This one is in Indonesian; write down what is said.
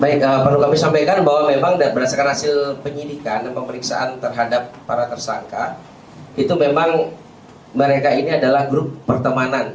baik perlu kami sampaikan bahwa memang berdasarkan hasil penyidikan dan pemeriksaan terhadap para tersangka itu memang mereka ini adalah grup pertemanan